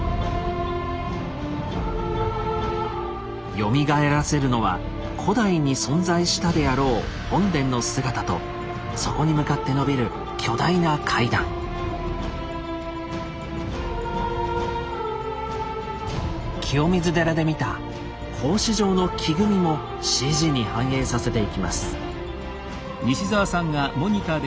よみがえらせるのは古代に存在したであろう本殿の姿と清水寺で見た格子状の木組みもＣＧに反映させていきます。